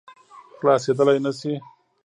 خلاصېدلای نه شي.